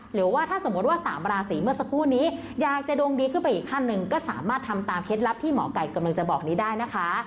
หรือว่าถ้าสมมุติว่า๓ราศีเมื่อสักครู่นี้อยากจะดวงดีขึ้นไปอีกขั้นหนึ่งก็สามารถทำตามเคล็ดลับที่หมอไก่กำลังจะบอกนี้ได้นะคะ